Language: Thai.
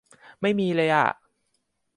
ไม่มีเลยอ๊ะ